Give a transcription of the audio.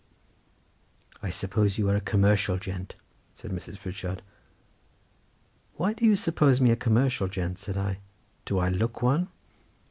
"I suppose you are a commercial gent," said Mrs. Pritchard. "Why do you suppose me a commercial gent?" said I. "Do I look one?"